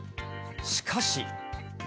しかし。